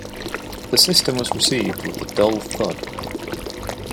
The system was received with a dull thud.